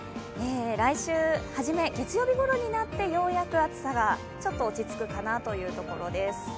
来週初め月曜日ごろになってようやく暑さがちょっと落ち着くかなというところです。